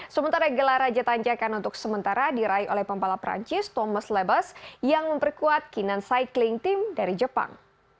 sementara gelar raja tanjakan untuk sementara diraih oleh pembalap perancis thomas lebes yang memperkuat kinan cycling team dari jepang